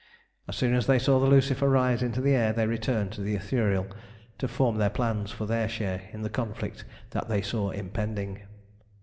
As soon as they saw the Lucifer rise into the air they returned to the Ithuriel to form their plans for their share in the conflict that they saw impending.